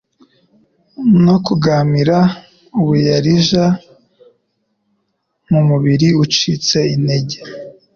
no kugamra ubuyarija mu mubiri ucitse intege.